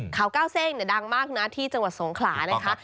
เขาก้าวเส้งดังมากนะที่จังหวัดสงขลานะคะ